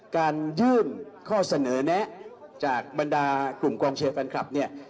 การยื่นข้อเสนอแนะจากบรรดากลุ่มกองเชียร์แฟนคลับเนี่ย